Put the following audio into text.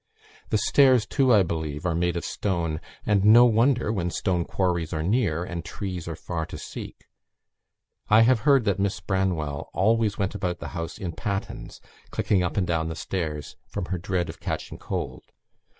The stairs, too, I believe, are made of stone; and no wonder, when stone quarries are near, and trees are far to seek. I have heard that Miss Branwell always went about the house in pattens, clicking up and down the stairs, from her dread of catching cold.